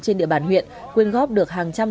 trên địa bàn huyện quyên góp được hàng trăm